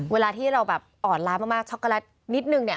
เวลาที่เราอ่อนร้ายมากช็อกโกแลตนิดหนึ่ง